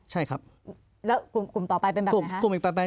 แล้วกลุ่มต่อไปเป็นแบบไหน